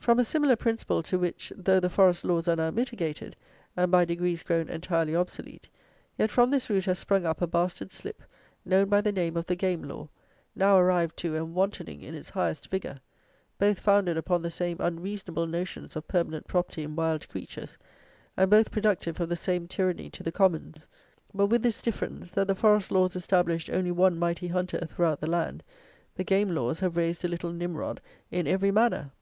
From a similar principle to which, though the forest laws are now mitigated, and by degrees grown entirely obsolete, yet from this root has sprung up a bastard slip, known by the name of the Game Law, now arrived to and wantoning in its highest vigour: both founded upon the same unreasonable notions of permanent property in wild creatures; and both productive of the same tyranny to the commons: but with this difference; that the forest laws established only one mighty hunter throughout the land, the game laws have raised a little Nimrod in every manor."